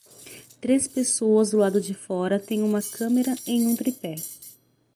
Três pessoas do lado de fora tem uma câmera em um tripé.